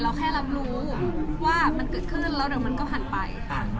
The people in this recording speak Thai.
แค่รับรู้ว่ามันเกิดขึ้นแล้วเดี๋ยวมันก็ผ่านไป